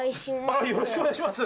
あら、よろしくお願いします。